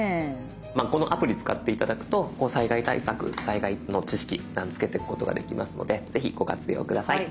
まあこのアプリ使って頂くと災害対策災害の知識つけてくことができますのでぜひご活用下さい。